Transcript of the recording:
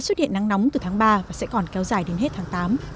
dự báo nắng nóng từ tháng ba và sẽ còn kéo dài đến hết tháng tám